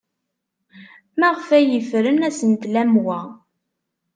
Maɣef ay yefren asentel am wa?